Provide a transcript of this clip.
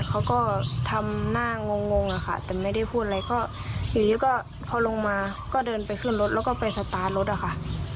เขาก็ทำหน้างงอะค่ะแต่ไม่ได้พูดอะไรก็อยู่ดีก็พอลงมาก็เดินไปขึ้นรถแล้วก็ไปสตาร์ทรถอะค่ะ